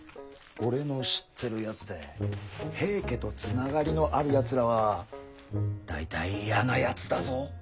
俺の知ってるやつで平家と繋がりのあるやつらは大体嫌なやつだぞ。